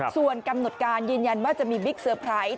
ส่วนกำหนดการยืนยันว่าจะมีบิ๊กเซอร์ไพรส์